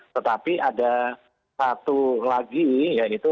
tetapi ada satu lagi yaitu